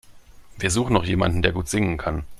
Wir suchen noch jemanden, der gut singen kann.